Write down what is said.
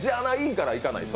からいかないと。